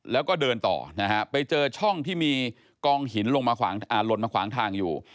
แล้วก็เดินต่อนะฮะไปเจอช่องที่มีกองหินลงมาหล่นมาขวางทางอยู่